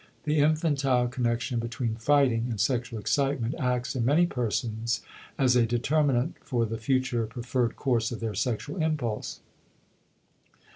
The infantile connection between fighting and sexual excitement acts in many persons as a determinant for the future preferred course of their sexual impulse.